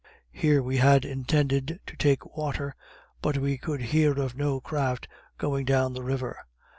Here we had intended to take water, but we could hear of no craft going down the river.